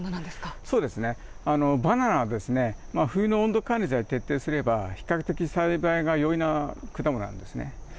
そうですね、バナナはですね、冬の温度管理さえ徹底すれば、比較的栽培が容易な果物なんですね。